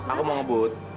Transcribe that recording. aku mau ngebut